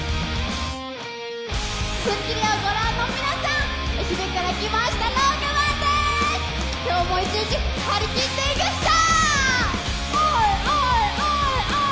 『スッキリ』をご覧の皆さん、愛媛からきましたＬＯＮＧＭＡＮです、今日も一日、はりきっていきましょう！